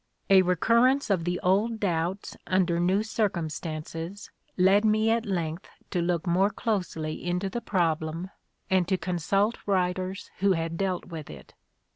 A recurrence of the old doubts under new circum stances led me at length to look more closely into the problem and to consult writers who had dealt with it.